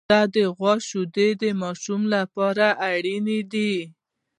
د غوا شیدې د ماشومانو لپاره اړینې دي.